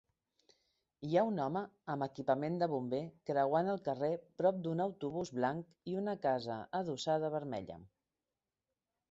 Hi ha un home amb equipament de bomber creuant el carrer prop d'un autobús blanc i una casa adossada vermella.